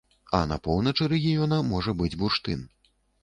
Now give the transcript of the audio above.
А на поўначы рэгіёна можа быць бурштын.